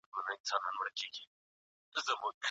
هنر انسان احساساتي کوي.